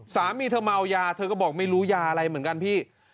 สามีเธอเมายาเธอก็บอกไม่รู้ยาอะไรเหมือนกันพี่